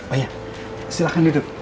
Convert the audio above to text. oh iya silahkan duduk